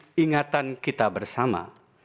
dan untuk menyegarkan kembali ingatan kita bersama